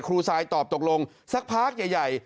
ทรายตอบตกลงสักพักใหญ่